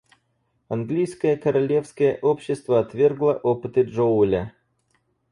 Английское Королевское общество отвергло опыты Джоуля.